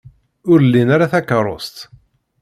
Ur lin ara takeṛṛust.